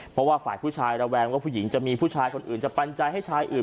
เพราะว่าฝ่ายผู้ชายระแวงว่าผู้หญิงจะมีผู้ชายคนอื่นจะปัญญาให้ชายอื่น